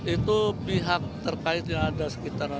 itu pihak terkait yang ada sekitar lima belas